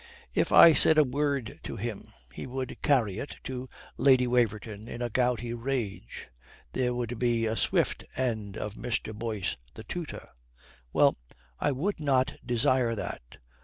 If I said a word to him he would carry it to Lady Waverton in a gouty rage. There would be a swift end of Mr. Boyce the tutor. Well, I would not desire that.